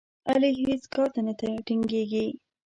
علي هېڅ کار ته نه ټینګېږي.